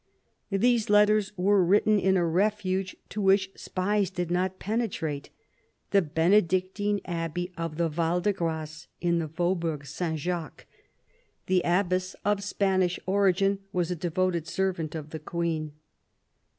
These letters were written in a refuge to which spies did not penetrate : the Benedictine Abbey of the Val de Grace in the Faubourg St. Jacques. The Abbess, of Spanish origin, was a devoted servant of the Queen.